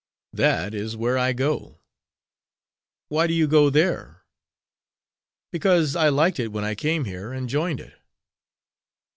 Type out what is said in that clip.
"That is where I go." "Why do you go there?" "Because I liked it when I came here, and joined it."